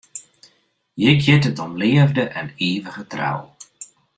Hjir giet it om leafde en ivige trou.